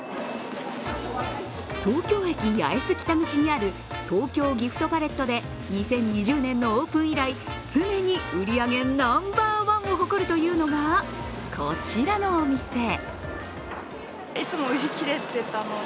東京駅八重洲北口にある東京ギフトパレットで２０２０年のオープン以来、常に売り上げナンバーワンを誇るというのが、こちらのお店。